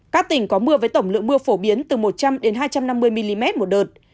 các tỉnh có mưa với tổng lượng mưa phổ biến từ một trăm linh hai trăm năm mươi mm một đợt